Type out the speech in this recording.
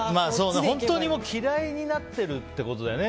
嫌いになってるってことだよね。